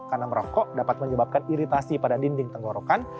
karena merokok dapat menyebabkan iritasi pada dinding tenggorokan